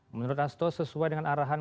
menurut hasto sesuai dengan arahan